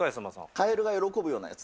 カエルが喜ぶようなやつ。